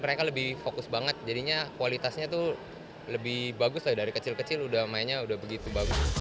mereka lebih fokus banget jadinya kualitasnya tuh lebih bagus dari kecil kecil udah mainnya udah begitu bagus